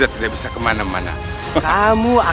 terima kasih dinda